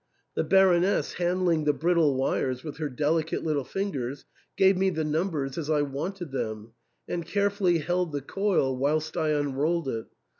The Baroness, hand ling the brittle wires with her delicate little fingers, gave me the numbers as I wanted them, and carefully held the coil whilst I unrolled it.